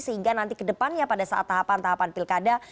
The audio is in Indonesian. sehingga nanti kedepannya pada saat tahapan tahapan pilkada